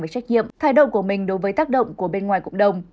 và trách nhiệm thái độ của mình đối với tác động của bên ngoài cộng đồng